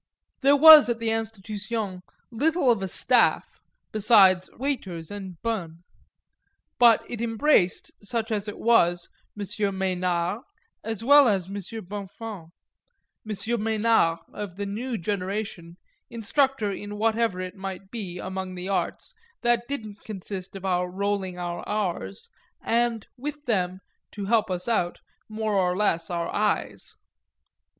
There was at the Institution little of a staff besides waiters and bonnes; but it embraced, such as it was, M. Mesnard as well as M. Bonnefons M. Mesnard of the new generation, instructor in whatever it might be, among the arts, that didn't consist of our rolling our r's, and with them, to help us out, more or less our eyes.